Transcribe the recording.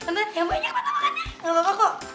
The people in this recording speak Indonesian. tante yang banyak tante makan ya gak apa apa kok